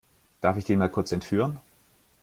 Darf ich den mal kurz entführen?